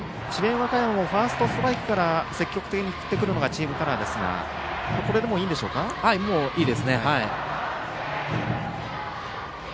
和歌山もファーストストライクから積極的に振ってくるのがチームカラーですがいいですね。